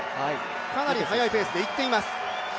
かなり速いペースでいっています。